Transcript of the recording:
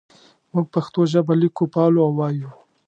موږ پښتو ژبه لیکو پالو او وایو.